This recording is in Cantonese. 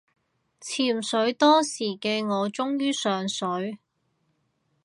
潛水多時嘅我終於上水